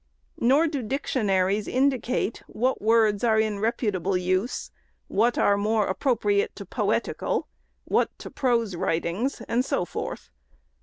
Nor do dictionaries indicate what words are in reputable use, what are more appropriate to poetical, what to prose writings, and so forth.